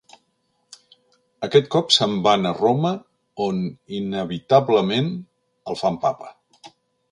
Aquest cop se'n van a Roma on, inevitablement, el fan Papa.